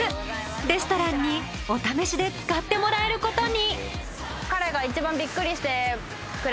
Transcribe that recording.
レストランにお試しで使ってもらえる事に。